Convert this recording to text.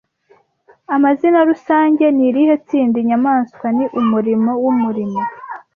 Amazina rusange - ni irihe tsinda inyamaswa ni umurimo wumurimo